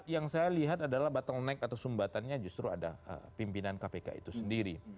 yang saya lihat adalah bottleneck atau sumbatannya justru ada pimpinan kpk itu sendiri